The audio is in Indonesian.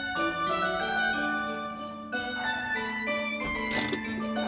sudah lalu cenderung